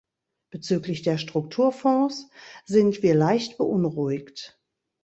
Bezüglich der Strukturfonds sind wir leicht beunruhigt.